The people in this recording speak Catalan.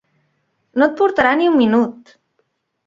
No et portarà ni un minut!